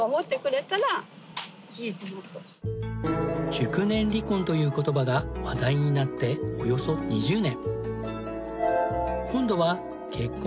熟年離婚という言葉が話題になっておよそ２０年。